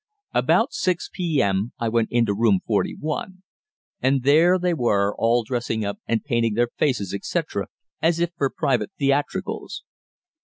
About 6 p.m. I went into Room 41, and there they were all dressing up and painting their faces, etc., as if for private theatricals.